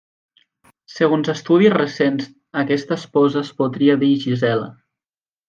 Segons estudis recents aquesta esposa es podria dir Gisela.